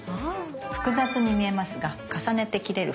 複雑に見えますが重ねて切れる